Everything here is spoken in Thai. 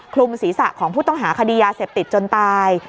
คลุมศีรษะของผู้ต้องหาคดียาเสพติดจนตาย